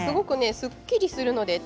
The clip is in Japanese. すっきりするので。